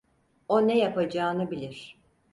O ne yapacağını bilir.